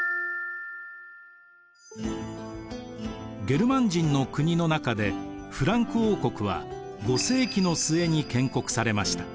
ゲルマン人の国の中でフランク王国は５世紀の末に建国されました。